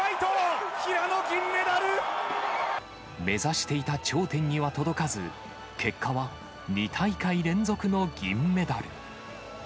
目指していた頂点には届かず、結果は２大会連続の銀メダル。